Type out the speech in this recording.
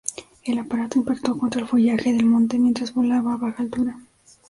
El aparato impactó contra el follaje del monte mientras volaba a baja altura.